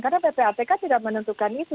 karena ppatk tidak menentukan itu